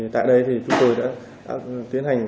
tại đây chúng tôi đã tiến hành